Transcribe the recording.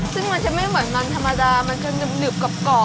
ซึ่งมันจะไม่เหมือนมันธรรมดามันจะหนึบกรอบ